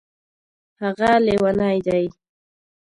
هغه لیونی دی